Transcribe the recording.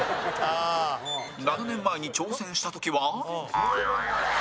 ７年前に挑戦した時は